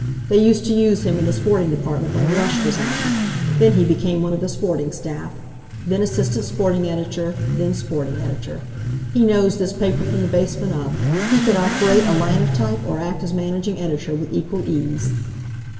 They used to use him in the sporting department when a rush was on. Then he became one of the sporting staff; then assistant sporting editor; then sporting editor. He knows this paper from the basement up. He could operate a linotype or act as managing editor with equal ease.